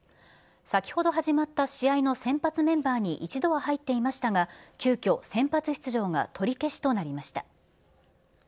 先ほど始まった試合の先発メンバーに一度は入っていましたが、急きょ、先発出場が取り消しとなりました。